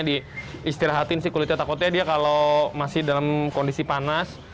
diistirahatin sih kulitnya takutnya dia kalau masih dalam kondisi panas